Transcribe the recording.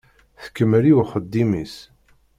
Tkemmel i uxeddim-is.